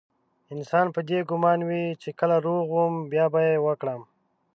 انسان په دې ګمان وي چې کله روغ وم بيا به يې وکړم.